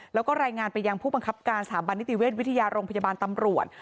แล้วก็รายงานไปยังผู้บังคับการสถาบันนิติเวชวิทยาโรงพยาบาลตำรวจ